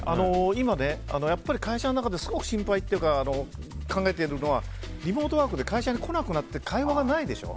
今、会社の中ですごく心配というか考えているのはリモートワークで会社に来なくなって会話がないでしょ。